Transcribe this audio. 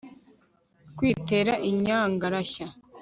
kwitera inyangarashya